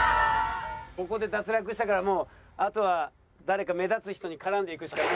ここで脱落したからもうあとは誰か目立つ人に絡んでいくしかない。